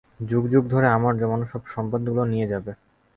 যুগ যুগ ধরে আমার জমানো সব সম্পদগুলো নিয়ে যাবে।